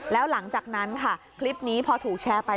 แล้วหลังจากนั้นค่ะคลิปนี้พอถูกแชร์ไป